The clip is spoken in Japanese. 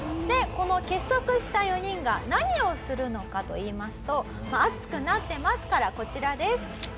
でこの結束した４人が何をするのかといいますと熱くなってますからこちらです。